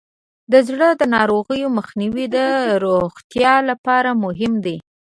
د زړه ناروغیو مخنیوی د روغتیا لپاره مهم دی.